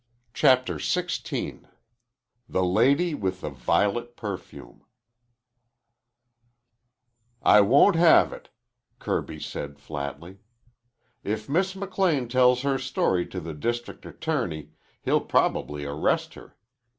CHAPTER XVI THE LADY WITH THE VIOLET PERFUME "I won't have it," Kirby said flatly. "If Miss McLean tells her story to the district attorney he'll probably arrest her.